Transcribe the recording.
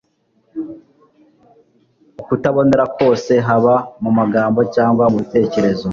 ukutabonera kose haba mu magambo cyangwa mu bitekerezo.